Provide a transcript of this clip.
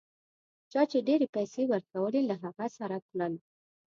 چا چي ډېرې پیسې ورکولې له هغه سره تلل.